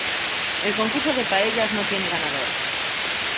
El concurso de paellas no tiene ganador.